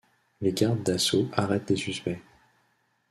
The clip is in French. Les gardes d'assaut arrêtent des suspects.